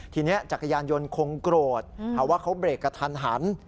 ทีนี้จักรยานยนต์คงโกรธเพราะว่าเขาเบรกกระทันหัน